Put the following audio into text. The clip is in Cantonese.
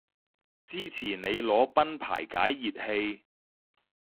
支持你裸奔排解熱氣